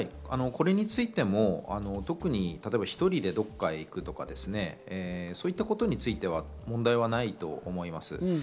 これについても１人でどこかへ行くとか、そういったことについては問題ないと思います。